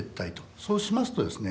そうしますとですね